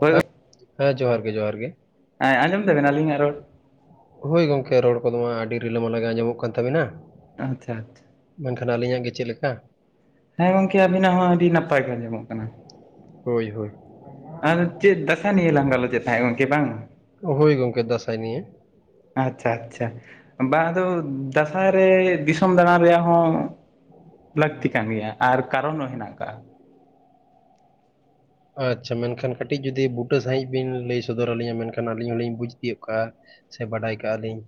ᱦᱳᱭ ᱦᱮᱸ ᱡᱚᱦᱟᱨ ᱜᱮ ᱡᱚᱦᱟᱨ ᱜᱮ᱾ ᱮᱸᱜ ᱟᱡᱚᱢ ᱮᱫᱟᱵᱤᱱ ᱟᱹᱞᱤᱧᱟᱜ ᱨᱚᱲ? ᱦᱳᱭ ᱜᱚᱝᱠᱮ ᱨᱚᱲ ᱠᱚᱫᱚ ᱢᱟ ᱟᱹᱰᱤ ᱨᱤᱞᱟᱹᱢᱟᱞᱟ ᱜᱮ ᱟᱸᱡᱚᱢᱚᱜ ᱠᱟᱱ ᱛᱟᱵᱤᱱᱟ᱾ ᱟᱪᱪᱷᱟ ᱟᱪᱪᱷᱟ᱾ ᱢᱮᱱᱠᱷᱟᱱ ᱟᱹᱞᱤᱧᱟᱜ ᱜᱮ ᱪᱮᱫ ᱞᱮᱠᱟ? ᱦᱮᱸ ᱜᱚᱝᱠᱮ ᱟᱵᱤᱱᱟᱜ ᱦᱚᱸ ᱟᱹᱰᱤ ᱱᱟᱯᱟᱭ ᱜᱮ ᱟᱸᱡᱚᱢᱚᱜ ᱠᱟᱱᱟ᱾ ᱦᱳᱭ ᱦᱳᱭ ᱾ ᱟᱨ ᱪᱮᱫ ᱫᱟᱸᱥᱟᱭ ᱱᱤᱭᱟᱹ ᱞᱟᱝ ᱜᱟᱞᱚᱪ ᱮᱫ ᱛᱟᱦᱮᱸ ᱜᱚᱝᱠᱮ ᱵᱟᱝ ᱦᱳᱭ ᱜᱚᱝᱠᱮ ᱫᱟᱸᱥᱟᱭ ᱱᱤᱭᱮ ᱟᱪᱪᱷᱟ ᱟᱪᱪᱷᱟ ᱵᱟᱝ ᱟᱫᱚ ᱫᱟᱸᱥᱟᱭ ᱨᱮ ᱫᱤᱥᱚᱢ ᱫᱟᱬᱟᱱ ᱨᱮᱭᱟᱜ ᱦᱚᱸ ᱞᱟᱹᱠᱛᱤ ᱠᱟᱱ ᱜᱮᱭᱟ ᱟᱨ ᱠᱟᱨᱚᱱ ᱦᱚᱸ ᱦᱮᱱᱟᱜ ᱟᱠᱟᱫᱼᱟ᱾ ᱟᱪᱪᱷᱟ ᱢᱮᱱᱠᱷᱟᱱ ᱠᱟᱹᱴᱤᱡ ᱡᱩᱫᱤ ᱵᱩᱴᱟᱹ ᱥᱟᱸᱦᱤᱡ ᱵᱤᱱ ᱞᱟᱹᱭ ᱥᱚᱫᱚᱨ ᱟᱹᱞᱤᱧᱟ ᱢᱮᱱᱠᱷᱟᱱ ᱟᱹᱞᱤᱧ ᱦᱚᱞᱤᱧ ᱵᱩᱡᱽ ᱛᱤᱭᱩᱜ ᱠᱟᱜᱼᱟ᱾ ᱥᱮ ᱵᱟᱰᱟᱭ ᱠᱟᱜᱼᱟ ᱞᱤᱧ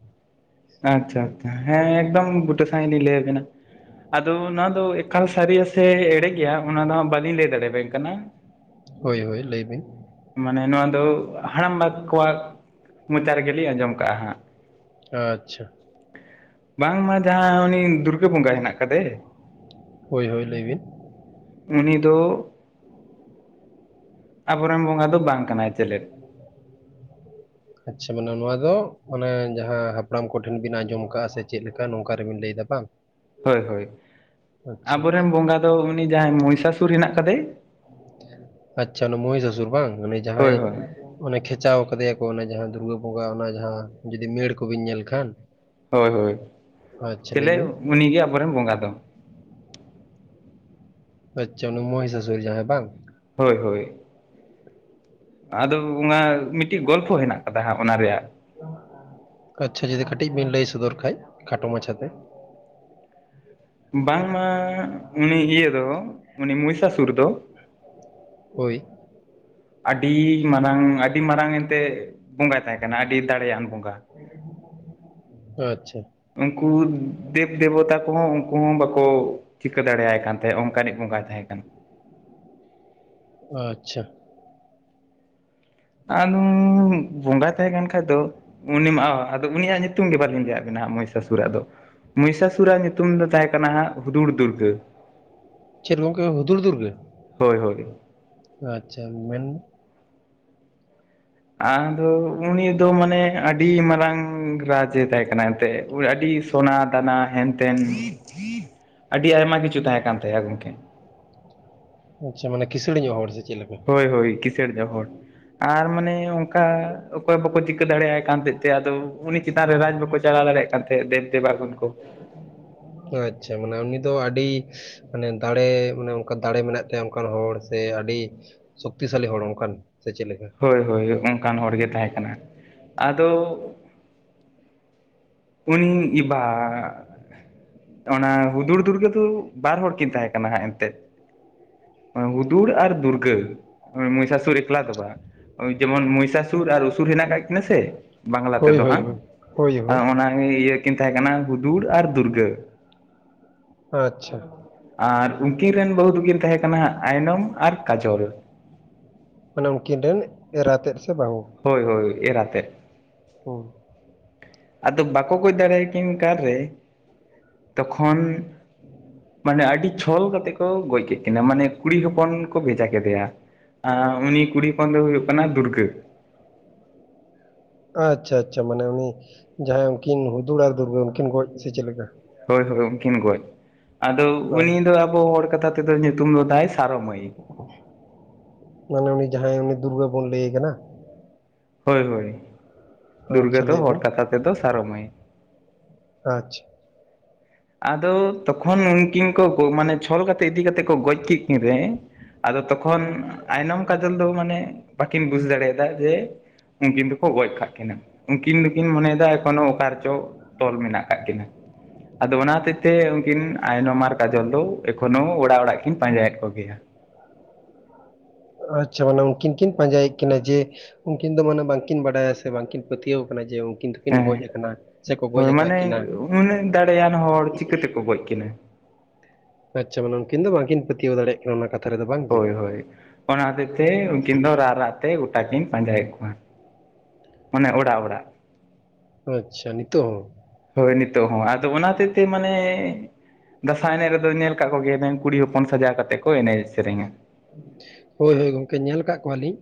ᱟᱪᱪᱷᱟ ᱟᱪᱪᱷᱟ ᱦᱮᱸ ᱮᱠᱫᱚᱢ ᱵᱩᱴᱟᱹ ᱥᱟᱸᱦᱤᱡ ᱞᱤᱧ ᱞᱟᱹᱭ ᱟᱵᱤᱱᱟ᱾ ᱟᱫᱚ ᱱᱚᱣᱟ ᱫᱚ ᱮᱠᱟᱞ ᱥᱟᱹᱨᱤᱭᱟ ᱥᱮ ᱮᱲᱮ ᱜᱮᱭᱟ ᱚᱱᱟ ᱫᱚ ᱦᱟᱸᱜ ᱵᱟᱹᱞᱤᱧ ᱞᱟᱹᱭ ᱫᱟᱲᱮᱭᱟ ᱵᱮᱱ ᱠᱟᱱᱟ᱾ ᱦᱳᱭ ᱦᱳᱭ ᱞᱟᱹᱭ ᱵᱤᱱ ᱢᱟᱱᱮ ᱱᱚᱣᱟ ᱫᱚ ᱦᱟᱲᱟᱢᱵᱟ ᱠᱚᱣᱟᱜ ᱢᱚᱪᱟ ᱨᱮᱜᱮ ᱞᱤᱧ ᱟᱸᱡᱚᱢ ᱠᱟᱜᱼᱟ ᱦᱟᱸᱜ ᱟᱪᱪᱷᱟ ᱵᱟᱝᱢᱟ ᱡᱟᱦᱟᱸ ᱩᱱᱤ ᱫᱩᱨᱜᱟᱹ ᱵᱚᱸᱜᱟ ᱦᱮᱱᱟᱜ ᱠᱟᱫᱮ ᱦᱳᱭ ᱦᱳᱭ ᱞᱟᱹᱭ ᱵᱤᱱ ᱩᱱᱤ ᱫᱚ ᱟᱵᱚᱨᱮᱱ ᱵᱚᱸᱜᱟ ᱫᱚ ᱵᱟᱝ ᱠᱟᱱᱟᱭ ᱪᱮᱞᱮᱫ [unintelligible] ᱟᱪᱪᱷᱟ ᱢᱟᱱᱮ ᱱᱚᱣᱟ ᱫᱚ ᱢᱟᱱᱮ ᱡᱟᱦᱟᱸ ᱦᱟᱯᱲᱟᱢ ᱠᱚᱴᱷᱮᱱ ᱵᱤᱱ ᱟᱸᱡᱚᱢ ᱟᱠᱟᱫᱼᱟ ᱥᱮ ᱪᱮᱫ ᱞᱮᱠᱟ ᱱᱚᱝᱠᱟ ᱨᱮᱵᱤᱱ ᱞᱟᱹᱭ ᱫᱟ? [unintelligible] ᱦᱳᱭ ᱦᱳᱭ ᱟᱵᱚᱨᱮᱱ ᱵᱚᱸᱜᱟ ᱫᱚ ᱩᱱᱤ ᱡᱟᱦᱟᱸᱭ ᱢᱚᱦᱤᱥᱟᱥᱩᱨ ᱦᱮᱱᱟᱜ ᱟᱠᱟᱫᱮ ᱟᱪᱪᱷᱟ ᱩᱱᱤ ᱢᱚᱦᱤᱥᱟᱥᱩᱨ ᱵᱟᱝ ᱩᱱᱤ ᱦᱳᱭ ᱡᱟᱦᱟᱸᱭ ᱦᱳᱭ ᱚᱱᱮ ᱠᱷᱮᱪᱟᱣ ᱠᱟᱫᱮᱭᱟᱠᱚ ᱚᱱᱮ ᱡᱟᱦᱟᱸ ᱫᱩᱨᱜᱟᱹ ᱵᱚᱸᱜᱟ ᱚᱱᱟ ᱡᱟᱦᱟᱸ ᱡᱩᱫᱤ ᱢᱮᱲ ᱠᱚᱵᱤᱱ ᱧᱮᱞ ᱠᱷᱟᱱ ᱦᱳᱭ ᱦᱳᱭ ᱟᱪᱪᱷᱟ ᱞᱟᱹᱭ ᱪᱮᱞᱮ ᱵᱤᱱ ᱩᱱᱤᱜᱮ ᱟᱵᱚᱨᱮᱱ ᱵᱚᱸᱜᱟ ᱫᱚ ᱟᱪᱪᱷᱟ ᱚᱱᱤ ᱢᱚᱦᱤᱥᱟᱥᱩᱨ ᱡᱟᱦᱟᱭ ᱵᱟᱝ ᱦᱳᱭ ᱦᱳᱭ ᱟᱫᱚ ᱚᱱᱟ ᱢᱤᱫᱴᱤᱡ ᱜᱚᱞᱯᱷᱚ ᱦᱮᱱᱟᱜ ᱟᱠᱟᱫᱟ ᱦᱟᱸᱜ ᱚᱱᱟ ᱨᱮᱭᱟᱜ ᱟᱪᱪᱷᱟ ᱡᱩᱫᱤ ᱠᱟᱹᱴᱤᱡ ᱵᱤᱱ ᱞᱟᱹᱭ ᱥᱚᱫᱚᱨ ᱠᱷᱟᱡ ᱠᱷᱟᱴᱚ ᱢᱟᱪᱷᱟᱛᱮ ᱵᱟᱝᱢᱟ ᱩᱱᱤ ᱤᱭᱟᱹ ᱫᱚ ᱩᱱᱤ ᱢᱚᱦᱤᱥᱟᱥᱩᱨ ᱫᱚ ᱦᱳᱭ ᱟᱹᱰᱤ ᱢᱟᱨᱟᱝ ᱟᱹᱰᱤ ᱢᱟᱨᱟᱝ ᱮᱱᱛᱮᱫ ᱵᱚᱸᱜᱟᱭ ᱛᱟᱦᱮᱸ ᱠᱟᱱᱟ ᱟᱹᱰᱤ ᱫᱟᱲᱮᱭᱟᱱ ᱵᱚᱸᱜᱟ ᱟᱪᱪᱷᱟ ᱩᱱᱠᱩ ᱫᱮᱵ-ᱫᱮᱵᱚᱛᱟ ᱠᱚᱦᱚᱸ ᱩᱱᱠᱩ ᱦᱚᱸ ᱵᱟᱠᱚ ᱪᱤᱠᱟᱹ ᱫᱟᱲᱮᱭᱟᱭ ᱠᱟᱱ ᱛᱟᱦᱮᱸ ᱚᱱᱠᱟ ᱱᱤᱡ ᱵᱚᱸᱜᱟᱭ ᱛᱟᱦᱮᱸ ᱠᱟᱱᱟ᱾ ᱟᱪᱪᱷᱟ ᱟᱫᱚ ᱵᱚᱸᱜᱟ ᱛᱟᱦᱮᱸ ᱠᱟᱱ ᱠᱷᱟᱡ ᱫᱚ ᱩᱱᱤ ᱢᱟ ᱟᱫᱚ ᱩᱱᱤᱭᱟᱜ ᱧᱩᱛᱩᱢ ᱜᱮ ᱵᱟᱹᱞᱤᱧ ᱞᱟᱤᱟᱫ ᱵᱮᱱᱟ ᱢᱚᱦᱤᱥᱟᱥᱩᱨ-ᱟᱜ ᱫᱚ ᱢᱚᱦᱤᱥᱟᱥᱩᱨᱼᱟᱜ ᱧᱩᱛᱩᱢ ᱫᱚ ᱛᱟᱦᱮᱸ ᱠᱟᱱᱟ ᱦᱟᱸᱜ ᱦᱩᱫᱩᱲ ᱫᱩᱨᱜᱟᱹ ᱪᱮᱫ ᱜᱚᱝᱠᱮ ᱦᱩᱫᱩᱲ ᱫᱩᱨᱜᱟᱹ ᱦᱳᱭ ᱦᱳᱭ ᱟᱪᱪᱷᱟ ᱢᱮᱱ ᱢᱮ ᱟᱫᱚ ᱩᱱᱤ ᱫᱚ ᱢᱟᱱᱮ ᱟᱹᱰᱤ ᱢᱟᱨᱟᱝ ᱨᱟᱡᱽ ᱮᱸ ᱛᱟᱦᱮᱸ ᱠᱟᱱᱟ ᱮᱱᱛᱮᱫ ᱟᱹᱰᱤ ᱥᱚᱱᱟ ᱫᱟᱱᱟ ᱦᱮᱱ ᱛᱮᱱ ᱟᱹᱰᱤ ᱟᱭᱢᱟ ᱠᱤᱪᱷᱩ ᱛᱟᱦᱮᱸ ᱠᱟᱱ ᱛᱟᱭᱟ ᱜᱚᱝᱠᱮ ᱟᱪᱪᱷᱟ ᱢᱟᱱᱮ ᱠᱤᱥᱟᱹᱲ ᱧᱚᱜ ᱦᱚᱲ ᱥᱮ ᱪᱮᱫᱮ ᱞᱮᱠᱟ? ᱦᱳᱭ ᱦᱳᱭ ᱠᱤᱥᱟᱹᱲ ᱧᱚᱜ ᱦᱚᱲ ᱟᱨ ᱢᱟᱱᱮ ᱦᱮ ᱚᱱᱠᱟ ᱚᱠᱚᱭ ᱦᱚ ᱵᱟᱠᱚ ᱪᱤᱠᱟᱹ ᱫᱟᱲᱮᱭᱟᱭ ᱠᱟᱱ ᱛᱟᱦᱮᱸ ᱛᱮ ᱟᱫᱚ ᱩᱱᱤ ᱪᱮᱛᱟᱱ ᱨᱮ ᱨᱟᱡᱽ ᱵᱟᱠᱚ ᱪᱟᱞᱟᱣ ᱫᱟᱲᱮᱭᱟᱜ ᱠᱟᱱ ᱛᱟᱦᱮᱸᱼᱟ᱾ ᱫᱮᱵ ᱫᱮᱵᱟᱜᱚᱱ ᱠᱚ ᱟᱪᱪᱷᱟ ᱢᱟᱱᱮ ᱩᱱᱤ ᱫᱚ ᱟᱹᱰᱤ ᱢᱟᱱᱮ ᱫᱟᱲᱮ ᱢᱟᱱᱮ ᱚᱱᱠᱟ ᱫᱟᱲᱮ ᱢᱮᱱᱟᱜ ᱛᱟᱭᱟ ᱚᱱᱠᱟᱱ ᱦᱚᱲ ᱥᱮ ᱟᱹᱰᱤ ᱥᱚᱠᱛᱤᱥᱟᱞᱤ ᱦᱚᱲ ᱚᱱᱠᱟᱱ ᱥᱮ ᱪᱮᱫ ᱞᱮᱠᱟ? ᱦᱳᱭ ᱦᱳᱭ ᱚᱱᱠᱟᱱ ᱦᱚᱲ ᱜᱮ ᱛᱟᱦᱮᱸ ᱠᱟᱱᱟ ᱟᱫᱚ ᱩᱱᱤ ᱮᱵᱟ ᱚᱱᱟ ᱦᱩᱫᱩᱲᱫᱩᱨᱜᱟᱹ ᱫᱚ ᱵᱟᱨ ᱦᱚᱲ ᱠᱤᱱ ᱛᱟᱦᱮᱸ ᱠᱟᱱᱟ ᱦᱟᱸᱜ ᱮᱱᱛᱜ ᱾ ᱦᱩᱫᱩᱲ ᱟᱨ ᱫᱩᱨᱜᱟᱹ ᱢᱚᱦᱤᱥᱟᱥᱩᱨ ᱮᱠᱞᱟ ᱫᱚ ᱵᱟᱝ ᱾ ᱡᱮᱢᱚᱱ ᱢᱚᱭᱤᱥᱟᱥᱩᱨ ᱟᱨ ᱩᱥᱩᱨ ᱦᱮᱱᱟᱜ ᱠᱟᱜ ᱠᱤᱱᱟᱹ ᱥᱮ ᱵᱟᱝᱞᱟ ᱦᱳᱭ ᱛᱮᱫᱚ ᱦᱳᱭ ᱦᱟᱝ ᱦᱳᱭ ᱦᱳᱭ ᱟᱨ ᱦᱳᱭ ᱚᱱᱟ ᱤᱭᱟᱹ ᱠᱤᱱ ᱛᱟᱦᱮᱸ ᱠᱟᱱᱟ ᱦᱩᱫᱩᱲ ᱟᱨ ᱫᱩᱨᱜᱟᱹ᱾ ᱟᱪᱪᱷᱟ ᱾ ᱟᱨ ᱩᱱᱠᱤᱱ ᱨᱮᱱ ᱵᱟᱹᱦᱩ ᱫᱩᱠᱤᱱ ᱛᱟᱦᱮᱸ ᱠᱟᱱᱟ ᱦᱟᱸᱜ ᱟᱭᱱᱚᱢ ᱟᱨ ᱠᱟᱡᱚᱞ ᱾ ᱢᱟᱱᱮ ᱩᱱᱠᱤᱱ ᱨᱮᱱ ᱮᱨᱟ ᱛᱮᱫ ᱥᱮ ᱵᱟᱹᱦᱩ᱾ ᱦᱳᱭ ᱦᱳᱭ ᱮᱨᱟ ᱛᱮᱫ᱾ ᱦᱳ ᱾ ᱟᱫᱚ ᱵᱟᱠᱚ ᱜᱚᱡ ᱫᱟᱲᱮᱭᱟᱠᱤᱱ ᱠᱟᱨ ᱨᱮ ᱛᱚᱠᱷᱚᱱ ᱢᱟᱱᱮ ᱟᱰᱤ ᱪᱷᱚᱞ ᱠᱟᱛᱮᱜ ᱠᱚ ᱜᱚᱡ ᱠᱮᱫ ᱢᱟᱱᱮ ᱠᱩᱲᱤ ᱦᱚᱯᱚᱱ ᱠᱩ ᱵᱷᱮᱡᱟ ᱠᱮᱫᱮᱭᱟ᱾ ᱩᱱᱤ ᱠᱩᱲᱤ ᱦᱚᱯᱚᱱ ᱫᱚᱭ ᱦᱩᱭᱩᱜ ᱠᱟᱱᱟ ᱫᱩᱨᱜᱟᱹ᱾ ᱟᱪᱪᱷᱟ ᱟᱪᱪᱷᱟ ᱢᱟᱱᱮ ᱩᱱᱤ ᱡᱟᱦᱟᱸᱭ ᱩᱱᱠᱤᱱ ᱦᱩᱫᱩᱲ ᱟᱨ ᱫᱩᱨᱜᱟᱹ ᱩᱱᱠᱤᱱ ᱜᱚᱡ ᱥᱮ ᱪᱮᱫ ᱞᱮᱠᱟ? ᱦᱳᱭ ᱦᱳᱭ ᱩᱱᱠᱤᱱ ᱜᱚᱡ, ᱟᱫᱚ ᱦᱳᱭ ᱩᱱᱤ ᱫᱚ ᱟᱵᱩ ᱦᱚᱲ ᱠᱟᱛᱷᱟ ᱛᱮᱫᱚ ᱧᱩᱛᱩᱢ ᱫᱚ ᱛᱟᱭ ᱥᱟᱨᱳ ᱢᱟᱹᱭ ᱾ ᱢᱟᱱᱮ ᱩᱱᱤ ᱡᱟᱦᱟᱸᱭ ᱩᱱᱤ ᱫᱩᱨᱜᱟᱹ ᱵᱩᱱ ᱞᱟᱹᱭᱮ ᱠᱟᱱᱟ? ᱦᱳᱭ ᱦᱳᱭ ᱫᱩᱨᱜᱟᱹ ᱟᱪᱪᱷᱟ ᱫᱚ ᱞᱟᱹᱭ ᱦᱚᱲ ᱵᱤᱱ ᱠᱟᱛᱷᱟ ᱛᱮ ᱫᱚ ᱥᱟᱨᱚ ᱢᱟᱹᱭ ᱾ ᱟᱪᱪᱷ ᱾ ᱟᱫᱚ ᱛᱚᱠᱷᱚᱱ ᱩᱱᱠᱤᱱ ᱠᱚ ᱢᱟᱱᱮ ᱪᱷᱚᱞ ᱠᱟᱛᱮᱜ ᱤᱫᱤ ᱠᱟᱛᱮᱫ ᱠᱚ ᱜᱚᱡ ᱠᱮᱫ ᱠᱤᱱ ᱨᱮ᱾ ᱟᱫᱚ ᱛᱚᱠᱷᱚᱱ ᱟᱭᱱᱚᱢ ᱠᱟᱡᱚᱞ ᱫᱚ ᱢᱟᱱᱮ ᱵᱟᱠᱤᱱ ᱵᱩᱡ ᱫᱟᱲᱮᱭᱟᱫᱟ ᱡᱮ ᱩᱱᱠᱤᱱ ᱫᱚᱠᱚ ᱜᱚᱡ ᱠᱟᱜ ᱠᱤᱱᱟ᱾ ᱩᱱᱠᱤᱱ ᱫᱚᱠᱤᱱ ᱢᱚᱱᱮᱭᱮᱫᱟ ᱮᱠᱷᱚᱱᱳ ᱚᱠᱟ ᱨᱮ ᱪᱚ ᱛᱚᱞ ᱢᱮᱱᱟᱜ ᱟᱠᱟᱫ ᱠᱤᱱᱟᱹ ᱾ ᱟᱫᱚ ᱚᱱᱟ ᱦᱚᱛᱮᱫ ᱛᱮ ᱩᱱᱠᱤᱱ ᱟᱭᱱᱚᱢ ᱟᱨ ᱠᱟᱡᱚᱞ ᱫᱚ ᱮᱠᱷᱚᱱᱳ ᱚᱲᱟᱜ ᱚᱲᱟᱜ ᱠᱤᱱ ᱯᱟᱸᱡᱟᱭᱼᱮᱫ ᱠᱚᱜᱮᱭᱟ ᱾ ᱟᱪᱪᱷᱟ ᱢᱟᱱᱨ ᱩᱱᱠᱤᱱ ᱠᱤᱱ ᱯᱟᱸᱡᱟᱭᱼᱮᱫ ᱠᱤᱱᱟ ᱡᱮ ᱩᱱᱠᱤᱱ ᱫᱚ ᱢᱟᱱᱮ ᱵᱟᱝ ᱠᱤᱱ ᱵᱟᱰᱟᱭᱟ ᱥᱮ ᱵᱟᱝ ᱠᱤᱱ ᱯᱟᱹᱛᱭᱟᱹᱣ ᱟᱠᱟᱱᱟ ᱡᱮ ᱩᱱᱠᱤᱱ ᱫᱚ ᱠᱤᱱ ᱜᱚᱡ ᱦᱮᱸ ᱟᱠᱟᱱᱟ ᱥᱮ ᱠᱚ ᱜᱚᱡ ᱦᱳᱭ ᱟᱠᱟᱫ ᱢᱟᱱᱮ ᱠᱤᱱᱟ ᱾ ᱩᱱᱟᱹᱜ ᱫᱟᱲᱮᱭᱟᱱ ᱦᱚᱲ ᱪᱤᱠᱟᱹ ᱛᱮᱠᱚ ᱜᱚᱡ ᱠᱤᱱᱟᱹ᱾ ᱟᱪᱷᱟ ᱩᱱᱤᱱ ᱫᱚ ᱵᱟᱝᱠᱤᱱ ᱯᱟᱹᱛᱭᱟᱹᱣ ᱫᱟᱲᱭᱟᱜ ᱠᱟᱱᱟ ᱚᱱᱟ ᱠᱟᱛᱷᱟ ᱾ ᱦᱳᱭ ᱦᱳᱭ ᱚᱱᱟ ᱦᱚᱛᱮᱡᱛᱮ ᱩᱱᱠᱤᱱ ᱫᱚ ᱨᱟᱜᱼᱨᱟᱜ ᱛᱮ ᱜᱚᱴᱟ ᱠᱤᱱ ᱯᱟᱸᱡᱟᱭᱮᱫ ᱠᱚᱣᱟ ᱚᱱᱮ ᱚᱲᱟᱜ ᱚᱲᱟᱜ ᱾ ᱟᱪᱪᱷᱟ ᱱᱤᱛᱚᱜ ᱦᱚᱸ? ᱦᱳᱭ ᱱᱤᱛᱚᱜ ᱦᱚᱸ ᱟᱫᱚ ᱚᱱᱟ ᱦᱚᱛᱮᱜ ᱛᱮ ᱢᱟᱱᱮ ᱫᱟᱸᱥᱟᱭ ᱮᱱᱮᱡ ᱨᱮ ᱫᱚ ᱧᱮᱞ ᱟᱠᱟᱫ ᱠᱚᱜᱮᱣᱟᱵᱮᱱ ᱠᱩᱲᱤ ᱦᱚᱯᱚᱱ ᱥᱟᱡᱟᱣ ᱠᱟᱛᱮᱫ ᱠᱚ ᱮᱱᱮᱡ ᱥᱮᱨᱮᱧᱟ ᱾ ᱦᱳᱭ ᱦᱳᱭ ᱜᱚᱢᱠᱮ ᱧᱮᱞ ᱠᱟᱜ ᱠᱚᱣᱟ ᱞᱤᱧ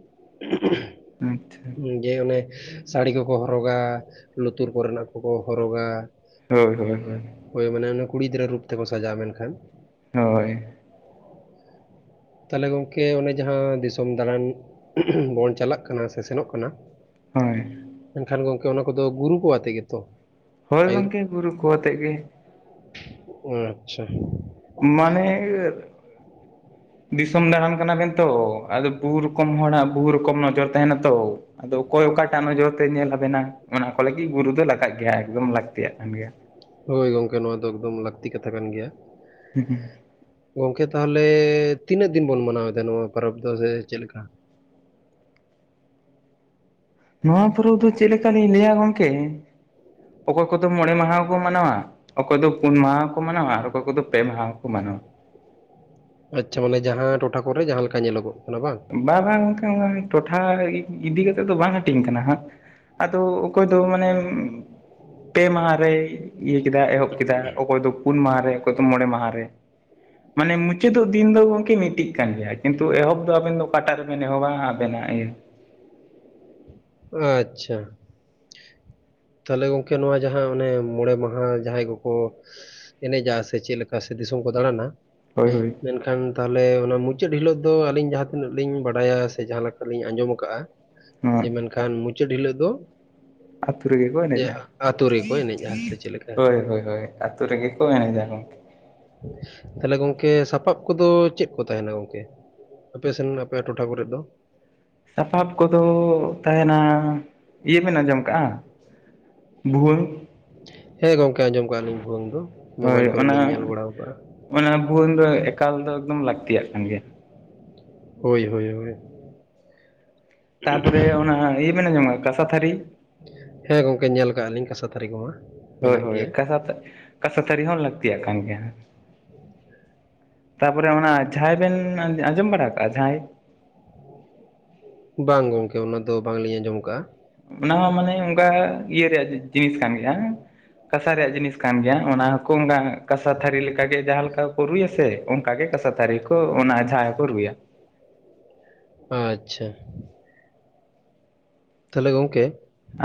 ᱾ ᱟᱪᱪᱷᱟ ᱾ ᱡᱮ ᱚᱱᱮ ᱥᱟᱲᱤ ᱠᱚᱠᱚ ᱦᱚᱨᱚᱜᱟ ᱞᱩᱛᱩᱨ ᱠᱚᱨᱮᱱᱟᱜ ᱠᱚᱠᱚ ᱦᱚᱨᱚᱜᱟ ᱾ ᱦᱳᱭ ᱦᱳᱭ ᱦᱳᱭ ᱾ ᱦᱳᱭ ᱢᱟᱱᱮ ᱚᱱᱮ ᱠᱩᱲᱤ ᱜᱤᱫᱽᱟᱹ ᱨᱩᱯ ᱛᱮᱠᱚ ᱥᱟᱡᱟᱜ-ᱟ ᱢᱮᱱᱠᱷᱟᱱ ᱦᱳᱭ ᱾ ᱛᱟᱦᱚᱞᱮ ᱜᱚᱢᱠᱮ ᱚᱱᱮ ᱡᱟᱦᱟᱸ ᱫᱤᱥᱚᱢ ᱫᱟᱬᱟᱱ ᱵᱚᱱ ᱪᱟᱞᱟᱜ ᱠᱟᱱᱟ ᱥᱮ ᱥᱮᱱᱚᱜ ᱠᱟᱱᱟ ᱾ ᱦᱳᱭ, ᱢᱮᱱ ᱠᱷᱟᱱ ᱜᱚᱝᱠᱮ ᱚᱱᱟ ᱠᱚᱫᱚ ᱜᱩᱨᱩ ᱠᱚ ᱟᱛᱮ ᱜᱮ ᱛᱚ᱾ ᱦᱳᱭ ᱜᱚᱝᱠᱮ ᱜᱩᱨᱩ ᱠᱚ ᱟᱛᱮᱫ ᱜᱮ᱾ ᱟᱪᱪᱷᱟ᱾ ᱢᱟᱱᱮᱼᱼ [inaudible] ᱫᱤᱥᱚᱢ ᱫᱟᱬᱟᱱ ᱠᱟᱱᱟ ᱵᱮᱱ ᱛᱚ ᱟᱫᱚ ᱵᱩᱦ ᱨᱚᱠᱚᱢ ᱦᱚᱲᱟᱜ ᱵᱩᱦ ᱨᱚᱠᱚᱢ ᱱᱚᱡᱚᱨ ᱛᱟᱦᱮᱱᱟ ᱛᱚ᱾ ᱟᱫᱚ ᱚᱠᱚᱭ ᱚᱠᱟ ᱴᱟᱜ ᱱᱚᱡᱚᱨ ᱛᱮ ᱧᱮᱞ ᱟᱵᱮᱱᱟ ᱚᱱᱟ ᱠᱚ ᱞᱟᱹᱜᱤᱫ ᱜᱩᱨᱩ ᱫᱚ ᱞᱟᱜᱟᱜ ᱜᱮᱭᱟ ᱮᱠᱫᱚᱢ ᱞᱟᱹᱠᱛᱤᱭᱟᱜ ᱠᱟᱱ ᱜᱮᱭᱟ᱾ ᱦᱳᱭ ᱜᱚᱝᱠᱮ ᱱᱚᱣᱟ ᱫᱚ ᱮᱠᱫᱚᱢ ᱞᱟᱠᱛᱤ ᱠᱟᱛᱷᱟ ᱠᱟᱱ ᱜᱮᱭᱟ᱾ ᱦᱩ ᱦᱩ ᱜᱚᱝᱠᱮ ᱛᱟᱦᱚᱞᱮ ᱛᱤᱱᱟᱹᱜ ᱫᱤᱱ ᱵᱚᱱ ᱢᱟᱱᱟᱣ ᱮᱫᱟ ᱱᱚᱣᱟ ᱯᱚᱨᱚᱵᱽ ᱫᱚ ᱥᱮ ᱪᱮᱫ ᱞᱮᱠᱟ? ᱱᱩᱣᱟ ᱯᱳᱨᱩᱚᱵ ᱫᱚ ᱪᱮᱫ ᱞᱮᱠᱟ ᱞᱤᱧ ᱞᱟᱹᱭᱟ ᱜᱚᱝᱠᱮᱼᱼ ᱚᱠᱚᱭ ᱠᱚᱫᱚ ᱢᱚᱬᱮᱸ ᱢᱟᱦᱟ ᱠᱚ ᱢᱟᱱᱟᱣᱟ᱾ ᱚᱠᱚᱭ ᱫᱚ ᱯᱩᱱ ᱢᱟᱦᱟ ᱦᱚᱸᱠᱚ ᱢᱟᱱᱟᱣᱟ ᱟᱨ ᱚᱠᱚᱭ ᱠᱚᱫᱚ ᱯᱮ ᱢᱟᱦᱟ ᱦᱚᱸᱠᱚ ᱢᱟᱱᱟᱣᱟ᱾ ᱟᱪᱪᱷᱟ ᱢᱟᱱᱮ ᱡᱟᱦᱟᱸ ᱴᱚᱴᱷᱟ ᱠᱚᱨᱮ ᱡᱟᱦᱟᱸ ᱞᱮᱠᱟ ᱧᱮᱞᱚᱜᱼᱚᱜ ᱠᱟᱱᱟ ᱵᱟᱝᱼᱼ ᱵᱟᱝ ᱵᱟᱝ ᱚᱱᱠᱟ ᱴᱚᱴᱷᱟ ᱤᱫᱤ ᱠᱟᱛᱮᱜ ᱫᱚ ᱵᱟᱝ ᱦᱟᱹᱴᱤᱧ ᱠᱟᱱᱟ ᱦᱟᱸᱜ᱾ ᱟᱫᱚ, ᱠᱚᱭ ᱫᱚ ᱢᱟᱱᱮᱼᱼ ᱯᱮ ᱢᱟᱦᱟ ᱨᱮᱭ ᱤᱭᱟᱹ ᱠᱮᱫᱟ ᱮᱦᱚᱵ ᱠᱮᱫᱟ ᱚᱠᱚᱭ ᱫᱚ ᱯᱩᱱ ᱢᱟᱦᱟ ᱨᱮᱼᱼ ᱚᱠᱚᱭ ᱫᱚ ᱢᱚᱬᱮᱸ ᱢᱟᱦᱟ ᱨᱮ ᱢᱟᱱᱮ ᱢᱩᱪᱟᱹᱫᱚᱜ ᱫᱤᱱ ᱫᱚ ᱜᱚᱢᱠᱮ ᱢᱤᱫ ᱴᱤᱡ ᱠᱟᱱ ᱜᱮᱭᱟ ᱠᱤᱱᱛᱩ ᱮᱦᱚᱵᱽᱼᱼ ᱛᱚ ᱟᱵᱮᱱ ᱫᱚ ᱚᱠᱟᱴᱟ ᱨᱮᱵᱮᱱ ᱮᱦᱚᱵᱟ ᱟᱵᱮᱱᱟᱜ ᱤᱭᱟᱹ? ᱟᱪᱪᱷᱟ᱾ ᱛᱟᱦᱞᱮ ᱜᱚᱝᱠᱮ ᱱᱚᱣᱟ ᱡᱟᱦᱟᱸ ᱚᱱᱮ ᱢᱚᱬᱮ ᱢᱟᱦᱟ ᱡᱟᱦᱟᱸᱟᱭ ᱠᱚᱠᱚᱼᱼ ᱮᱱᱮᱡᱟ ᱥᱮ ᱪᱮᱫᱠᱟ ᱥᱮ ᱫᱤᱥᱚᱢ ᱠᱚ ᱫᱟᱬᱟᱱᱟᱼᱼ ᱦᱳᱭᱻ ᱮᱠᱷᱟᱱ ᱛᱟᱦᱚᱞᱮ ᱚᱱᱟ ᱢᱩᱪᱟᱹᱫ ᱦᱤᱞᱳᱜ ᱫᱚ ᱟᱹᱞᱤᱧ ᱡᱟᱦᱟᱸ ᱛᱤᱱᱟᱹᱜ ᱞᱤᱧ ᱵᱟᱰᱟᱭᱟ ᱥᱮ ᱡᱟᱦᱟᱸ ᱞᱮᱠᱟ ᱞᱤᱧ ᱟᱸᱡᱚᱢ ᱠᱟᱟᱜᱼᱟ ᱱᱚᱣᱟ ᱡᱮ ᱢᱮᱱ ᱠᱷᱟᱱ ᱢᱩᱪᱟᱹᱫ ᱦᱤᱞᱳᱜ ᱫᱚᱼᱼ ᱟᱛᱩ ᱨᱮᱜᱮ ᱠᱚ ᱮᱱᱮᱡᱟ ᱟᱛᱳ ᱨᱮᱠᱚ ᱮᱱᱮᱡᱼᱟ ᱥᱮ ᱪᱮᱫ ᱞᱮᱠᱟ ᱦᱳᱭ ᱦᱳᱭ ᱦᱳᱭ ᱟᱛᱳ ᱨᱮᱜᱮ ᱠᱚ ᱮᱱᱮᱡᱟ ᱜᱚᱝᱠᱮᱼᱼ ᱛᱟᱦᱚᱞᱮ ᱜᱚᱝᱠᱮ ᱥᱟᱯᱟᱵ ᱠᱚᱫᱚ ᱪᱮᱫ ᱠᱚ ᱛᱟᱦᱮᱸᱱᱟ ᱜᱚᱝᱠᱮ? ᱟᱯᱮᱥᱱ ᱟᱯᱮᱭᱟᱜ ᱴᱚ ᱴᱷᱟ ᱠᱚᱨᱮ ᱫᱚ? ᱥᱟᱯᱟᱵ ᱠᱚᱫᱚ ᱛᱟᱦᱮᱸᱱᱟ ᱤᱭᱟᱹ ᱵᱮᱱ ᱟᱸᱡᱚᱢ ᱠᱟᱜᱼᱟ? ᱵᱷᱩᱣᱟᱹᱝ? ᱦᱮᱸ ᱜᱚᱝᱠᱮ ᱟᱸᱡᱚᱢ ᱠᱟᱜᱼᱟ ᱞᱤᱧ ᱵᱷᱩᱣᱟᱹᱝ ᱫᱚ ᱦᱳᱭ ᱢᱳᱵᱟᱭᱤᱞ ᱠᱚᱨᱮ ᱚᱱᱟ ᱞᱤᱧ ᱧᱮᱞ ᱵᱟᱲᱟᱣ ᱠᱟᱜᱼᱟ᱾ ᱚᱱᱟ ᱵᱷᱩᱣᱟᱹᱝ ᱫᱚ ᱮᱠᱟᱞ ᱫᱚ ᱮᱠᱫᱚᱢ ᱞᱟᱹᱠᱛᱤᱭᱟᱜ ᱠᱟᱱ ᱜᱮᱭᱟ᱾ ᱦᱳᱭ ᱦᱳᱭ ᱦᱳᱭᱼᱼ ᱛᱟ ᱯᱚᱨᱮ ᱚᱱᱟ ᱤᱭᱟᱹ ᱵᱮᱱ ᱟᱸᱡᱚᱢ ᱠᱟᱫᱟ ᱠᱟᱸᱥᱟ ᱛᱷᱟᱹᱨᱤ? ᱦᱮᱸ ᱜᱚᱝᱠᱮ ᱧᱮᱞ ᱠᱟᱜ ᱞᱤᱧ ᱠᱟᱸᱥᱟ ᱛᱷᱟᱹᱨᱤ ᱠᱚᱢᱟ᱾ ᱦᱳᱭ ᱢᱮᱱᱟᱜ ᱦᱳᱭ ᱜᱮᱭᱟ ᱠᱟᱥᱟ ᱛᱟ ᱠᱟᱥᱟ ᱛᱷᱟᱹᱨᱤ ᱦᱚᱸ ᱞᱟᱹᱠᱛᱤᱭᱟᱜ ᱠᱟᱱ ᱜᱮᱭᱟ᱾ ᱛᱟᱯᱚᱨᱮ ᱚᱱᱟ ᱡᱷᱟᱭ ᱵᱮᱱ ᱟᱸᱡᱽ ᱟᱸᱡᱚᱢ ᱵᱟᱲᱟ ᱠᱟᱜᱼᱟ ᱡᱷᱟᱸᱭ? ᱵᱟᱝ ᱜᱚᱝᱠᱮ ᱚᱱᱟ ᱫᱚ ᱵᱟᱝ ᱞᱤᱧ ᱟᱸᱡᱚᱢ ᱠᱟᱜᱼᱟ᱾ ᱚᱱᱟ ᱦᱚᱸ ᱢᱟᱱᱮ ᱚᱝᱠᱟ ᱤᱭᱟᱹ ᱨᱮᱭᱟᱜ ᱡᱤᱱᱤᱥ ᱠᱟᱱ ᱜᱮᱭᱟ᱾ ᱠᱟᱥᱟ ᱨᱮᱭᱟᱜ ᱡᱤᱱᱤᱥ ᱠᱟᱱ ᱜᱮᱭᱟ ᱚᱱᱟ ᱦᱚᱸᱠᱚ ᱚᱝᱠᱟ ᱠᱟᱥᱟ ᱛᱷᱟᱹᱨᱤ ᱞᱮᱠᱟ ᱜᱮ ᱡᱟᱦᱟᱸ ᱞᱮᱠᱟ ᱠᱚ ᱨᱩᱭᱟᱥᱮ ᱚᱝᱠᱟ ᱜᱮ ᱠᱟᱥᱟᱼᱼ ᱛᱟᱨᱤ ᱠᱚ ᱚᱱᱟ ᱡᱷᱟᱸ ᱦᱚᱸ ᱠᱚ ᱨᱩᱭᱟ᱾ ᱟᱪᱪᱷᱟ᱾ ᱛᱟᱦᱚᱞᱮ ᱜᱚᱝᱠᱮ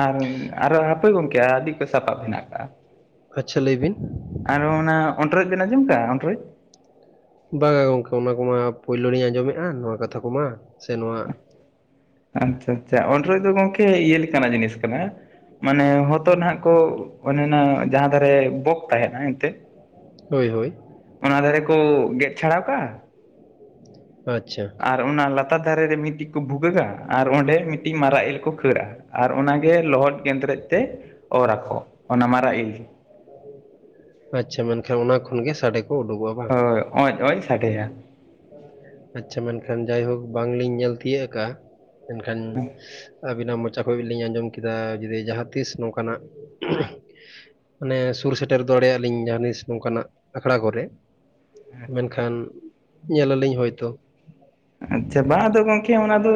ᱟᱨ ᱟᱨᱚ ᱦᱟᱯᱳᱭ ᱜᱚᱝᱠᱮ ᱟᱹᱰᱤ ᱠᱚᱡ ᱥᱟᱯᱟᱵ ᱦᱮᱱᱟᱜ ᱟᱠᱟᱜᱼᱟ᱾ ᱟᱪᱪᱷᱟ ᱞᱟᱹᱭ ᱵᱤᱱ᱾ ᱟᱨ ᱚᱱᱟ ᱚᱱᱴᱨᱚᱡ ᱵᱮᱱ ᱟᱸᱡᱚᱢ ᱠᱟᱜ-ᱟ ᱚᱱᱴᱚᱨᱚᱡ᱾ ᱵᱟᱝᱟ ᱜᱚᱢᱠᱮ ᱚᱱᱟ ᱠᱚᱢᱟ ᱯᱳᱭᱞᱳ ᱞᱤᱧ ᱟᱸᱡᱚᱢᱮᱜ-ᱟ ᱱᱚᱣᱟ ᱠᱟᱛᱷᱟ ᱠᱚᱢᱟ ᱥᱮ ᱱᱚᱣᱟ ᱟᱪᱪᱷᱟ ᱟᱪᱪᱷᱟ ᱚᱸᱰᱨᱚᱡ ᱫᱚ ᱜᱚᱝᱠᱮ ᱤᱭᱟᱹ ᱞᱮᱠᱟᱱᱟᱜ ᱡᱤᱱᱤᱥ ᱠᱟᱱᱟ᱾ ᱢᱟᱱᱮ ᱦᱚᱛᱚ ᱱᱷᱟᱜ ᱠᱚ ᱚᱱᱮ ᱱᱟ ᱡᱟᱸᱦᱟ ᱫᱷᱟᱨᱮ ᱵᱚᱠ ᱛᱟᱦᱮᱱᱟ ᱮᱱᱛᱮ ᱦᱳᱭ ᱦᱳᱭ᱾ ᱚᱱᱟ ᱫᱷᱟᱨᱮ ᱠᱩ ᱜᱮᱫ ᱪᱷᱟᱲᱟᱣ ᱠᱟᱜ-ᱟ ᱟᱪ-ᱪᱷᱟ᱾ ᱟᱨ ᱚᱱᱟ ᱞᱟᱛᱟᱨ ᱫᱷᱟᱨᱮ ᱨᱮ ᱢᱤᱴᱤᱡ ᱠᱚ ᱵᱷᱩᱜᱟᱹᱜᱟ ᱟᱨ ᱚᱸᱰᱮ ᱢᱤᱴᱤᱜ ᱢᱟᱨᱟᱜ ᱤᱞ ᱠᱚ ᱠᱷᱟᱹᱲᱟᱜ-ᱟ᱾ ᱟᱨ ᱚᱱᱟᱜᱮ ᱞᱚᱦᱚᱫ ᱜᱮᱸᱫᱽᱨᱮᱡ ᱛᱮ ᱚᱨ ᱟᱠᱚ ᱚᱱᱟ ᱢᱟᱨᱟᱜ ᱤᱞ᱾ ᱟᱪᱪᱷᱟ ᱢᱮᱱᱠᱷᱟᱱ ᱚᱱᱟ ᱠᱷᱚᱱ ᱜᱮ ᱥᱟᱰᱮ ᱠᱚ ᱩᱰᱩᱠᱚᱜ-ᱟ᱾ ᱦᱳᱭ ᱚᱸᱡ ᱚᱸᱡ ᱥᱟᱰᱮᱭᱟ᱾ ᱟᱪᱪᱷᱟ ᱢᱮᱱᱠᱷᱟᱱ ᱡᱟᱭᱦᱳᱠ ᱵᱟᱝᱞᱤᱧ ᱧᱮᱞ ᱛᱤᱭᱟᱹᱜ ᱠᱟᱜ-ᱟ᱾ ᱢᱮᱱᱠᱷᱟᱱ ᱟᱹᱵᱤᱱᱟᱜ ᱢᱚᱪᱟ ᱠᱷᱚᱡ ᱜᱮᱞᱤᱧ ᱟᱸᱡᱚᱢ ᱠᱮᱫᱟ ᱡᱩᱫᱤ ᱡᱟᱸᱦᱟ ᱛᱤᱥ ᱱᱚᱝᱠᱟᱱᱟᱜ ᱢᱟᱱᱮ ᱥᱩᱨ ᱥᱮᱴᱮᱨ ᱫᱚᱲᱮᱭᱟᱜ-ᱟ ᱞᱤᱧ ᱡᱟᱸᱦᱟ ᱛᱤᱥ ᱱᱚᱝᱠᱟᱱᱟᱜ ᱟᱠᱷᱲᱟ ᱠᱚᱨᱮ ᱢᱮᱱᱠᱷᱟᱱ ᱧᱮᱞ ᱟᱞᱤᱧ ᱦᱳᱭᱛᱳ᱾ ᱟᱪᱪᱷᱟ ᱵᱟ ᱟᱫᱚ ᱜᱚᱝᱠᱮ ᱚᱱᱟ ᱫᱚ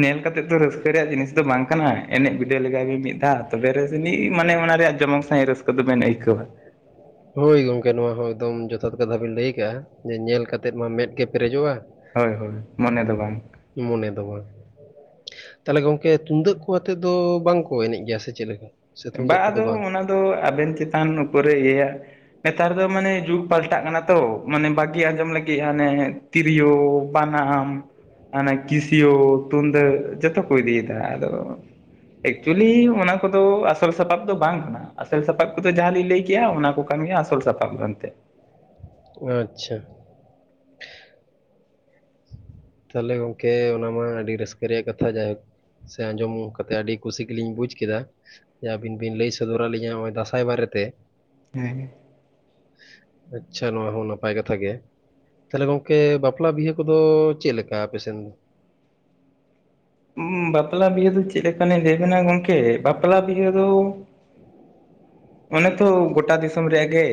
ᱧᱮᱞ ᱠᱟᱛᱮᱜ ᱫᱚ ᱨᱟᱹᱥᱠᱟᱹ ᱨᱮᱭᱟᱜ ᱡᱤᱱᱤᱥ ᱫᱚ ᱵᱟᱝ ᱠᱟᱱᱟ ᱮᱱᱮᱡ ᱵᱤᱰᱟᱹᱣ ᱞᱮᱜᱟᱭ ᱵᱤᱱ ᱢᱤᱫ ᱫᱷᱟᱣ᱾ ᱛᱚᱵᱮ ᱨᱮᱥᱮ ᱢᱤᱜ ᱢᱟᱱᱮ ᱚᱱᱟ ᱨᱮᱭᱟᱜ ᱡᱚᱢᱚᱠ ᱥᱟᱸᱦᱤᱜ ᱨᱟᱹᱥᱠᱟᱹ ᱫᱚᱵᱱ ᱟᱹᱭᱠᱟᱹᱣᱟ᱾ ᱦᱳᱭ ᱜᱚᱝᱠᱮ ᱱᱚᱣᱟ ᱦᱚᱸ ᱮᱠᱫᱚᱢ ᱡᱚᱛᱷᱟᱛ ᱠᱟᱛᱷᱟ ᱵᱤᱱ ᱞᱟᱹᱭ ᱠᱟᱜ-ᱟ᱾ ᱡᱮ ᱧᱮᱞ ᱠᱟᱛᱮᱫ ᱢᱟ ᱢᱮᱫ ᱜᱮ ᱯᱮᱨᱮᱡᱚᱜ-ᱟ ᱦᱳᱭ ᱦᱳᱭ ᱢᱚᱱᱮ ᱫᱚ ᱵᱟᱝ᱾ ᱢᱚᱱᱮ ᱫᱚ ᱵᱟᱝ᱾ ᱛᱟᱦᱞᱮ ᱜᱚᱝᱠᱮ ᱛᱩᱢᱫᱟᱹᱜ ᱠᱚ ᱟᱛᱮᱫ ᱫᱚ ᱵᱟᱝᱠᱚ ᱮᱱᱮᱡ ᱜᱮᱭᱟ ᱥᱮ ᱪᱮᱜ ᱞᱮᱠᱟ? ᱥᱮ ᱵᱟ ᱛᱩᱢᱫᱟᱹᱜ ᱠᱚᱫᱚ ᱟᱫᱚ ᱵᱟᱝ? ᱚᱱᱟ ᱫᱚ ᱟᱵᱮᱱ ᱪᱮᱛᱟᱱ ᱩᱯᱚᱨᱮ ᱤᱭᱟᱹᱭᱟ᱾ ᱱᱮᱛᱟᱨ ᱫᱚ ᱢᱟᱱᱮ ᱡᱩᱜᱽ ᱯᱟᱞᱴᱟᱜ ᱠᱟᱱᱟ ᱛᱚ ᱢᱟᱱᱮ ᱵᱟᱜᱤ ᱟᱸᱡᱚᱢ ᱞᱟᱹᱜᱤᱜ ᱦᱟᱱᱮ᱾ ᱛᱤᱨᱤᱭᱳ ᱵᱟᱱᱟᱢ᱾ ᱦᱟᱱᱮ ᱠᱤᱥᱤᱭᱳ ᱛᱩᱱᱫᱟᱹᱜ ᱡᱚᱛᱚ ᱠᱚ ᱤᱫᱤᱭᱮᱫᱟ ᱟᱫᱚ᱾ ᱮᱠᱪᱩᱭᱮᱞᱤ ᱚᱱᱟ ᱠᱚᱫᱚ ᱟᱥ ᱥᱚᱞ ᱥᱟᱯᱟᱵ ᱫᱚ ᱵᱟᱝ ᱠᱟᱱᱟ ᱟᱥᱚᱞ ᱥᱟᱯᱟᱵ ᱠᱚᱫᱚ ᱡᱟᱸᱦᱟ ᱞᱤᱧ ᱞᱟᱹᱭ ᱠᱮᱜ-ᱟ ᱚᱱᱟ ᱠᱚ ᱠᱟᱱ ᱜᱮᱭᱟ ᱟᱥᱚᱞ ᱥᱟᱯᱟᱵ ᱫᱚ ᱮᱱᱛᱮᱜ᱾ ᱟᱪᱪᱷᱟ᱾ ᱛᱟᱦᱞᱮ ᱜᱚᱢᱠᱮ ᱚᱱᱟ ᱢᱟ ᱟᱹᱰᱤ ᱨᱟᱹᱥᱠᱟᱹ ᱨᱮᱭᱟᱜ ᱠᱟᱛᱷᱟ ᱡᱟᱭᱦᱳᱠ᱾ ᱥᱮ ᱟᱸᱡᱚᱢ ᱠᱟᱛᱮ ᱟᱰᱤ ᱠᱩᱥᱤ ᱜᱮᱞᱤᱧ ᱵᱩᱡᱽ ᱠᱮᱫᱟ᱾ ᱡᱮ ᱟᱵᱤᱱ ᱵᱤᱱ ᱞᱟᱹᱭ ᱥᱚᱫᱚᱨᱟ ᱞᱤᱧᱟ ᱱᱚᱜ-ᱚᱭ ᱫᱟᱸᱥᱟᱭ ᱵᱟᱨᱮᱛᱮ᱾ ᱦᱮᱸ᱾ [inaudible] ᱟᱪᱪᱷᱟ ᱱᱚᱣᱟ ᱦᱚᱸ ᱱᱟᱯᱟᱭ ᱠᱟᱛᱷᱟ ᱜᱮ ᱛᱟᱦᱞᱮ ᱜᱚᱝᱠᱮ ᱵᱟᱯᱞᱟ ᱵᱤᱦᱟᱹ ᱠᱚᱫᱚ᱾ ᱪᱮᱜ ᱞᱮᱠᱟ ᱟᱯᱮᱥᱮᱱ ᱫᱚ᱾ ᱩᱢ ᱵᱟᱯᱞᱟ ᱵᱤᱦᱟᱹ ᱫᱚ ᱪᱮᱜ ᱞᱮᱠᱟᱱᱟᱜ ᱞᱟᱹᱭᱵᱮᱱᱟ ᱜᱚᱢᱠᱮ ᱵᱟᱯᱞᱟ ᱵᱤᱦᱟᱹ ᱫᱚ᱾ ᱚᱱᱮ ᱛᱷᱚ ᱜᱚᱴᱟ ᱫᱤᱥᱚᱢ ᱫᱤᱥᱚᱢ ᱨᱮᱭᱟᱜ-ᱜᱮ᱾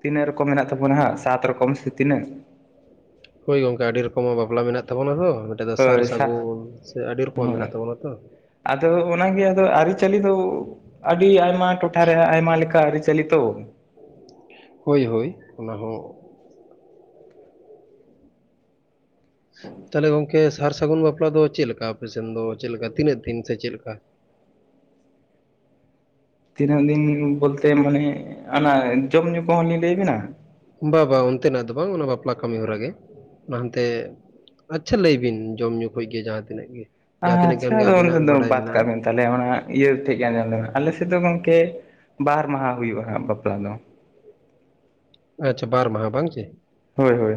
ᱛᱤᱱᱟᱹᱜ ᱨᱚᱠᱚᱢ ᱢᱮᱱᱟᱜ ᱛᱟᱵᱚᱱᱟ ᱦᱟᱸᱜ ᱥᱟᱛ ᱨᱚᱠᱚᱢ ᱥᱮ ᱛᱤᱱᱟᱹᱜ᱾ ᱦᱳᱭ ᱜᱚᱝᱠᱮ ᱟᱰᱤ ᱨᱚᱠᱚᱢᱟᱜ ᱵᱟᱯᱞᱟ ᱢᱮᱱᱟᱜ ᱛᱟᱵᱚᱱᱟ ᱛᱚ ᱢᱮᱴᱮᱜ ᱫᱚ ᱥᱟᱨ ᱦᱳᱭ ᱥᱟᱛ ᱥᱟᱜᱩᱱ ᱥᱮ ᱟᱰᱤ ᱨᱚᱠᱚᱢᱟᱜ ᱦᱳᱭ ᱢᱮᱱᱟᱜ ᱛᱟᱵᱚᱱᱟ ᱛᱚ᱾ ᱟᱫᱚ ᱚᱱᱟᱜᱮ ᱟᱫᱚ ᱟᱨᱤᱪᱟᱞᱤ ᱫᱚ᱾ ᱟᱰᱤ ᱟᱭᱢᱟ ᱴᱚᱴᱷᱟᱨᱮ ᱦᱟᱸᱜ ᱟᱭᱢᱟ ᱞᱮᱠᱟ ᱟᱨᱤᱪᱟᱞᱤ ᱛᱚ᱾ ᱦᱳᱭ ᱦᱳᱭ ᱚᱱᱟ ᱦᱚᱸ᱾ ᱛᱟᱦᱚᱞᱮ ᱜᱚᱝᱠᱮ ᱥᱟᱨ ᱥᱟᱹᱜᱩᱱ ᱵᱟᱯᱞᱟ ᱫᱚ ᱪᱮᱫ ᱞᱮᱠᱟ ᱟᱯᱮᱥᱮᱱ ᱫᱚ ᱪᱮᱫ ᱞᱮᱠᱟ ᱛᱤᱱᱟᱹᱜ ᱫᱤᱱ ᱥᱮ ᱪᱮᱫ ᱞᱮᱠᱟ? ᱛᱤᱱᱟᱹᱜ ᱫᱤᱱ ᱵᱚᱞᱛᱮ ᱢᱟᱱᱮ ᱟᱱᱟ ᱡᱚᱢ ᱧᱩ ᱠᱚᱦᱚᱸ ᱞᱤᱧ ᱞᱟᱹᱭ‌ᱟᱵᱮᱱᱟ? ᱵᱟ ᱵᱟᱝ ᱚᱱᱛᱮᱱᱟᱜ ᱫᱚ ᱵᱟᱝ ᱚᱱᱟ ᱵᱟᱯᱞᱟ ᱠᱟᱹᱢᱤ ᱦᱚᱨᱟ ᱜᱮ ᱚᱱᱟ ᱦᱟᱱᱛᱮ ᱟᱪᱪᱷᱟ ᱞᱟᱹᱭ ᱵᱤᱱ ᱡᱚᱢᱧᱩ ᱠᱷᱚᱡ ᱜᱮ ᱡᱟᱦᱟᱸ ᱛᱤᱱᱟᱹᱜ ᱜᱮ, ᱡᱟᱦᱟᱸ ᱛᱤᱱᱟᱹᱜ ᱟᱪᱪᱷᱟ ᱜᱟᱱ ᱜᱮ ᱟᱫᱚ ᱚᱱᱛᱮ ᱟᱹᱵᱤᱱᱟᱜ ᱫᱚ ᱵᱟᱰᱟᱭ ᱵᱟᱫ ᱠᱟᱜ ᱢᱮᱱᱟᱜᱼᱟ ᱵᱮᱱ ᱛᱟᱦᱚᱞᱮ ᱚᱱᱟ ᱤᱭᱟᱹ ᱴᱷᱮᱡ ᱜᱮ ᱟᱸᱡᱚᱢ ᱞᱮᱢ, ᱟᱞᱮ ᱥᱮᱫ ᱫᱚ ᱜᱚᱝᱠᱮ ᱵᱟᱨ ᱢᱟᱦᱟ ᱦᱩᱭᱩᱜ-ᱟ ᱦᱟᱸᱜ ᱵᱟᱯᱞᱟ ᱫᱚ᱾ ᱟᱪᱪᱷᱟ ᱵᱟᱨ ᱢᱟᱦᱟᱸ, ᱵᱟᱝ ᱪᱮ? ᱦᱳᱭ ᱦᱳᱭ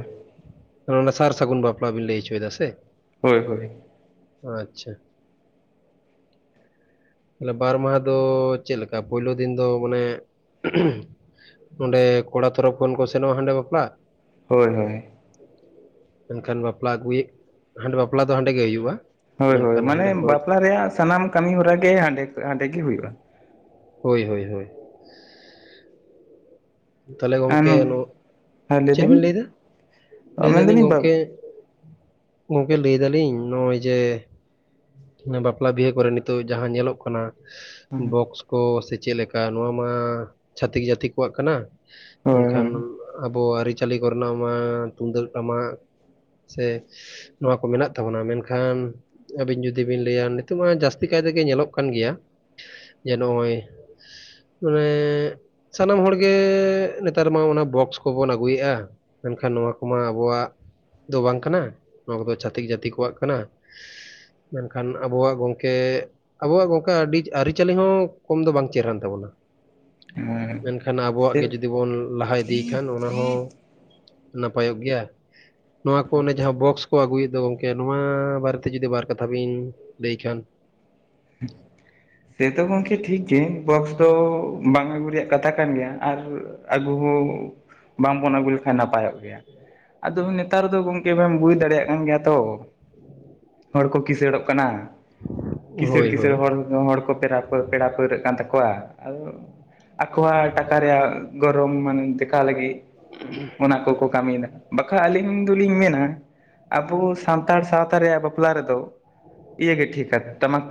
ᱚᱱᱟ ᱥᱟᱨ ᱥᱟᱹᱜᱩᱱ ᱵᱟᱯᱞᱟ ᱵᱤᱱ ᱞᱟᱹᱭᱪᱚᱭ ᱫᱟ ᱥᱮ? ᱦᱳᱭ, ᱦᱳᱭ, ᱚ ᱟᱪᱪᱷᱟ, ᱛᱟᱦᱚᱞᱮ ᱵᱟᱨ ᱢᱟᱦᱟᱸ ᱫᱚ ᱪᱮᱫ ᱞᱮᱠᱟ? ᱯᱳᱭᱞᱳ ᱫᱤᱱ ᱫᱚ ᱢᱟᱱᱮ ᱱᱚᱸᱰᱮ ᱠᱚᱲᱟ ᱛᱚᱨᱚᱯᱷ ᱠᱷᱚᱱ ᱠᱚ ᱥᱮᱱᱚᱜ-ᱟ ᱦᱟᱸᱰᱮ ᱵᱟᱯᱞᱟᱜ? ᱦᱳᱭ, ᱦᱳᱭ, ᱮᱱᱠᱷᱟᱱ ᱵᱟᱯᱞᱟ ᱟᱹᱜᱩᱭᱮᱜ ᱦᱟᱸᱰᱮ ᱵᱟᱯᱞᱟ ᱫᱚ ᱦᱟᱸᱰᱮ ᱜᱮ ᱦᱩᱭᱩᱜ-ᱟ᱾ ᱦᱳᱭ, ᱦᱳᱭ, ᱢᱟᱱᱮ ᱵᱟᱯᱞᱟ ᱨᱮᱭᱟᱜ ᱥᱟᱱᱟᱢ ᱠᱟᱹᱢᱤ ᱦᱚᱨᱟ ᱜᱮ ᱦᱟᱸᱰᱮ ᱠᱷᱚᱡ ᱦᱟᱸᱰᱮ ᱜᱮ ᱦᱩᱭᱩᱜᱼᱟ᱾ ᱦᱳᱭ, ᱦᱳᱭ, ᱦᱳᱭ, ᱛᱟᱦᱚᱞᱮ ᱟᱨ ᱜᱚᱝᱠᱮ ᱱᱚᱜ, ᱦᱮᱸ ᱞᱟᱹᱭ ᱪᱮᱫ ᱵᱤᱱ ᱵᱮᱱ ᱞᱟᱹᱭᱫᱟ? ᱞᱟᱹᱭ ᱫᱟᱞᱤᱧ ᱢᱮᱱᱫᱟᱞᱤᱧ ᱵᱟ ᱜᱚᱝᱠᱮ ᱜᱚᱝᱠᱮ ᱞᱟᱹᱭ ᱫᱟᱞᱤᱧ ᱱᱚᱜ-ᱚᱭ ᱡᱮ ᱵᱟᱯᱞᱟ ᱵᱤᱦᱟᱹ ᱠᱚᱨᱮ ᱱᱤᱛᱚᱜ ᱡᱟᱦᱟᱸ ᱧᱮᱞᱚᱜ ᱠᱟᱱᱟ ᱵᱚᱠᱥ ᱠᱚ ᱥᱮ ᱪᱮᱫᱞᱮᱠᱟ ᱱᱚᱣᱟ ᱢᱟ ᱪᱷᱟᱹᱛᱤᱠ ᱡᱟᱹᱛᱤ ᱠᱚᱣᱟᱜ ᱠᱟᱱᱟ, ᱦᱳᱭ ᱢᱮᱱᱠᱷᱟᱱ ᱦᱳᱭ ᱟᱵᱚ ᱟᱹᱨᱤᱪᱟᱹᱞᱤ ᱠᱚᱨᱮᱱᱟᱜ ᱢᱟ ᱛᱩᱢᱫᱟᱹᱜ ᱴᱟᱢᱟᱠ, ᱥᱮ ᱱᱚᱣᱟ ᱠᱚ ᱢᱮᱱᱟᱜ ᱛᱟᱵᱚᱱᱟ ᱢᱮᱱᱠᱷᱟᱱ ᱟᱹᱵᱤᱱ ᱡᱩᱫᱤ ᱵᱤᱱ ᱞᱟᱹᱭᱟ ᱱᱤᱛᱚᱜ ᱢᱟ ᱡᱟᱹᱥᱛᱤ ᱠᱟᱭ ᱛᱮᱜᱮ ᱧᱮᱞᱚᱜ ᱠᱟᱱ ᱜᱮᱭᱟ, ᱡᱮ ᱱᱚᱜ-ᱚᱭ ᱢᱟᱱᱮ ᱥᱟᱱᱟᱢ ᱦᱚᱲ ᱜᱮ ᱮᱻ ᱱᱮᱛᱟᱨ ᱢᱟ ᱚᱱᱟ ᱵᱚᱠᱥ ᱠᱚᱵᱚᱱ ᱟᱹᱜᱩᱭᱮᱜ-ᱟ, ᱢᱮᱱᱠᱷᱟᱱ ᱱᱚᱣᱟ ᱠᱚᱢᱟ ᱟᱵᱚᱣᱟᱜ ᱫᱚ ᱵᱟᱝ ᱠᱟᱱᱟ ᱱᱚᱣᱟ ᱠᱚᱫᱚ ᱪᱷᱟᱹᱛᱤᱠ ᱡᱟᱹᱛᱤ ᱠᱚᱣᱟᱜ ᱠᱟᱱᱟ᱾ ᱢᱮᱱᱠᱷᱟᱱ ᱟᱵᱚᱣᱟᱜ ᱜᱚᱝᱠᱮ ᱟᱵᱚᱣᱟᱜ ᱜᱚᱝᱠᱮ ᱟᱹᱰᱤ ᱟᱹᱨᱤᱪᱟᱹᱞᱤ ᱦᱚᱸ ᱠᱚᱢ ᱫᱚ ᱵᱟᱝ ᱪᱮᱨᱦᱨᱟᱱ ᱛᱟᱵᱚᱱᱟ, ᱦᱮᱸ, ᱢᱮᱱᱠᱷᱟᱱ ᱟᱵᱚᱣᱟᱜ ᱥᱮ ᱜᱮ ᱡᱩᱫᱤ ᱡᱩᱫᱤᱵᱚᱱ ᱞᱟᱦᱟ ᱤᱫᱤ ᱠᱷᱟᱱ ᱚᱱᱟ ᱦᱚᱸ ᱱᱟᱯᱟᱭᱚᱜ ᱜᱮᱭᱟ᱾ ᱱᱚᱣᱟ ᱠᱚ ᱚᱱᱮ ᱡᱟᱦᱟᱸ ᱵᱚᱠᱥ ᱠᱚ ᱟᱹᱜᱩᱭᱮᱫ ᱫᱚ ᱜᱚᱝᱠᱮ ᱱᱚᱣᱟ ᱵᱟᱨᱮᱛᱮ ᱡᱩᱫᱤ ᱵᱟᱨ ᱠᱟᱛᱷᱟ ᱵᱤᱱ ᱞᱟᱹᱭ ᱠᱷᱟᱱ? [unintelligible] ᱥᱮ ᱛᱚ ᱜᱚᱢᱠᱮ ᱴᱷᱤᱠ ᱜᱮ ᱵᱚᱠᱥ ᱫᱚ ᱵᱟᱝ ᱟᱹᱜᱩ ᱨᱮᱭᱟᱜ ᱠᱟᱛᱷᱟ ᱠᱟᱱ ᱜᱮᱭᱟ, ᱟᱨ ᱟᱹᱜᱩ ᱦᱚᱸ ᱵᱟᱝᱵᱚᱱ ᱟᱹᱜᱩ ᱞᱮᱠᱷᱟᱱ ᱱᱟᱯᱟᱭᱚᱜ ᱜᱮᱭᱟ᱾ ᱟᱫᱚ ᱱᱮᱛᱟᱨ ᱫᱚ ᱜᱚᱝ ᱠᱮ ᱰᱮᱱ ᱵᱩᱡᱽ ᱫᱟᱲᱮᱭᱟᱜ ᱠᱟᱱ ᱜᱮᱭᱟ ᱛᱚ ᱦᱚᱲ ᱠᱚ ᱠᱤᱥᱟᱹᱲᱚᱜ ᱠᱟᱱᱟ᱾ ᱠᱤᱥᱟᱹᱲ ᱦᱳᱭ ᱠᱤᱥᱟᱹᱲ ᱦᱳᱭ ᱦᱚᱲ ᱦᱚᱲ ᱠᱚ ᱯᱮᱨᱟ ᱯᱮᱲᱟ ᱯᱟᱹᱲᱣᱟᱹᱜ ᱠᱟᱱ ᱛᱟᱠᱚᱣᱟ᱾ ᱟᱫᱚ ᱟᱠᱚᱣᱟᱜ ᱴᱟᱠᱟ ᱨᱮᱭᱟᱜ ᱜᱚᱨᱚᱢ ᱢᱟᱱᱮ ᱫᱮᱠᱷᱟᱣ ᱞᱟᱹᱜᱤᱫ [inaudible] ᱚᱱᱟ ᱠᱚᱠᱚ ᱠᱟᱹᱢᱤᱭᱮᱫᱟ᱾ ᱵᱟᱠᱷᱟᱡ ᱟᱹᱞᱤᱧ ᱫᱚᱞᱤᱧ ᱢᱮᱱᱟ ᱟᱵᱚ ᱥᱟᱱᱛᱟᱲ ᱥᱟᱶᱛᱟ ᱨᱮᱭᱟᱜ ᱵᱟᱯᱞᱟ ᱨᱮᱫᱚ ᱤᱭᱟᱹ ᱜᱮ ᱴᱷᱤᱠᱟ ᱴᱟᱢᱟᱠ